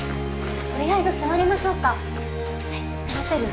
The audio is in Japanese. とりあえず座りましょうか立てる？